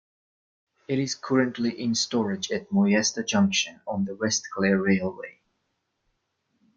It is currently in storage at Moyasta Junction on the West Clare Railway.